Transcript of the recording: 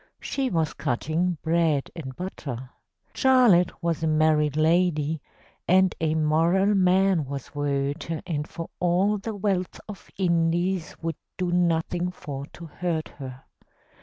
She was cutting bread and butter. Charlotte was a married lady, And a moral man was Werther, And for all the wealth of Indies, Would do nothing for to hurt her.